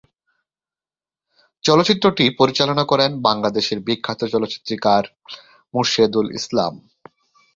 চলচ্চিত্রটি পরিচালনা করেন বাংলাদেশের বিখ্যাত চলচ্চিত্রকার মোরশেদুল ইসলাম।